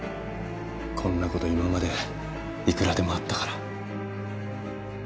こんなこと今までいくらでもあったから。